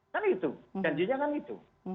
kan itu janjinya kan itu